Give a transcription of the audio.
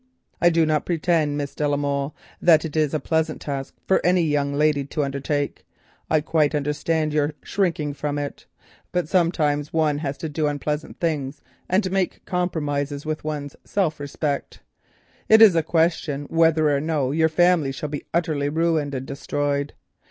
"I do not pretend, Miss de la Molle, that it is a pleasant task for any young lady to undertake. I quite understand your shrinking from it. But sometimes one has to do unpleasant things and make compromises with one's self respect. It is a question whether or no your family shall be utterly ruined and destroyed.